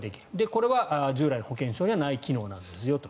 これは従来の保険証にはない機能なんですよと。